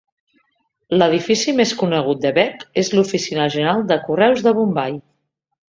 L'edifici més conegut de Begg és l'oficina general de correus de Bombai.